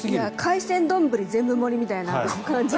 海鮮丼全部盛りみたいな感じ。